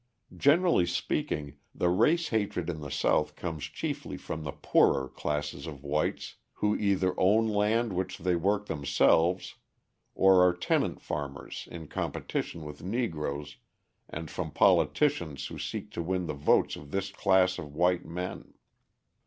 Generally speaking, the race hatred in the South comes chiefly from the poorer class of whites who either own land which they work themselves or are tenant farmers in competition with Negroes and from politicians who seek to win the votes of this class of white men.